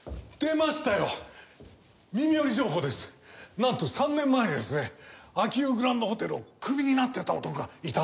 なんと３年前にですね秋保グランドホテルをクビになっていた男がいたんです。